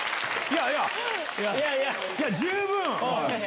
いやいや十分。